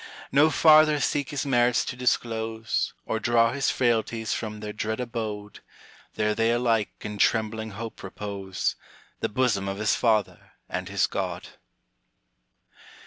No farther seek his merits to disclose, Or draw his frailties from their dread abode, (There they alike in trembling hope repose) The bosom of his Father and his God.